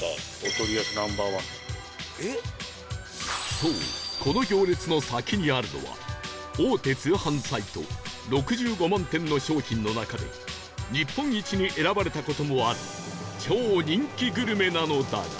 そうこの行列の先にあるのは大手通販サイト６５万点の商品の中で日本一に選ばれた事もある超人気グルメなのだが